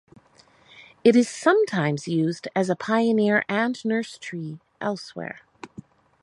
It is sometimes used as a pioneer and nurse tree elsewhere.